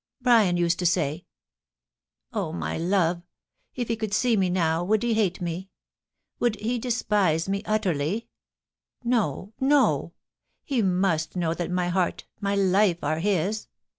•.. Brian used to say Oh, my love !.... If he could see me now, would he hate me ? Would he despise me utterly ?.... No — no. He must know that my heart — my life — are his.